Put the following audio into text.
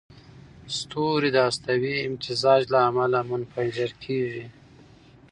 ستوري د هستوي امتزاج له امله منفجر کېږي.